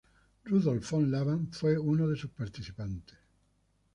Rudolf von Lavan fue uno de sus participantes.